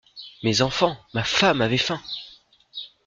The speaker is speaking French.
Mes enfants, ma femme avaient faim!